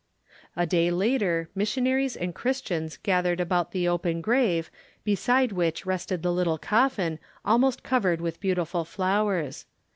A day later missionaries and Christians gathered about the open grave beside which rested the little coffin almost covered with beautiful flowers.